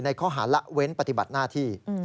ข้อหาละเว้นปฏิบัติหน้าที่